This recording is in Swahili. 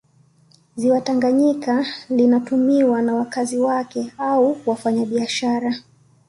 Ziwa Tanganyika linatumiwa na wakazi wake au wafanya biashara